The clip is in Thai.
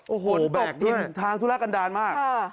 โอ้โหแบบด้วยทางทุนักอันดนมากข้าว